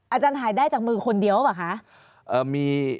อาจารย์หายได้จากมือคนเดียวหรือเปล่าคะ